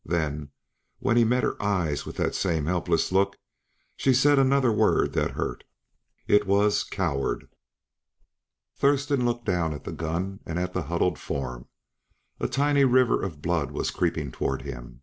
Then, when he met her eyes with that same helpless look, she said another word that hurt. It was "Coward!" Thurston looked down at the gun, and at the huddled form. A tiny river of blood was creeping toward him.